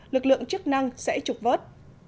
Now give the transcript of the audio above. lực lượng chức năng sẽ trục vớt